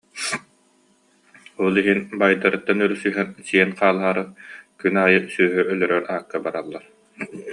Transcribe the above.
Ол иһин баайдарыттан өрүсүһэн сиэн хаалаары күн аайы сүөһү өлөрөр аакка бараллар